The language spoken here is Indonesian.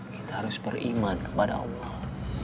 kita harus beriman kepada allah